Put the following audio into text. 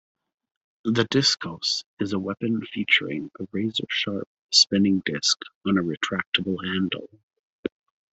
The diskos is a weapon featuring a razor-sharp spinning disk on a retractable handle.